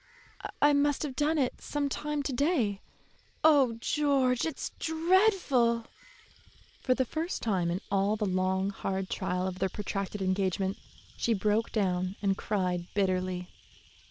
"I must have done it some time to day. Oh, George, it's dreadful!" For the first time in all the long, hard trial of their protracted engagement, she broke down and cried bitterly.